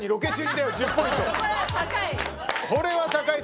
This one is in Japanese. これは高い。